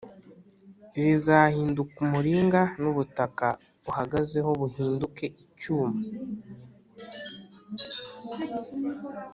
rizahinduka umuringa, n’ubutaka uhagazeho buhinduke icyuma